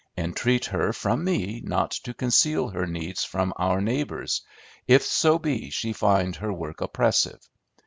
Entreat her from me not to conceal her needs from our neighbors, if so be she find her work oppressive.